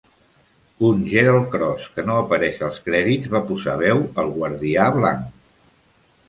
Un Gerald Cross que no apareix als crèdits va posar veu al Guardià Blanc.